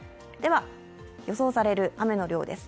予想される雨の量です。